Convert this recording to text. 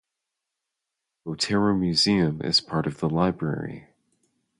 The Botero Museum is part of the library.